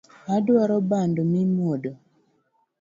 Adwaro bando mimwodo